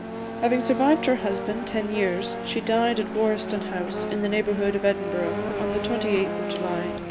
Having survived her husband ten years, she died at Warriston House, in the neighbourhood of Edinburgh, on the 28th of July 1838.